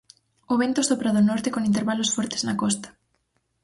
O vento sopra do norte con intervalos fortes na costa.